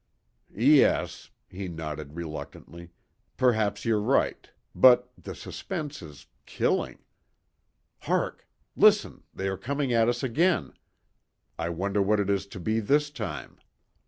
"Yes," he nodded reluctantly, "perhaps you're right, but the suspense is killing. Hark! Listen, they are coming at us again. I wonder what it is to be this time."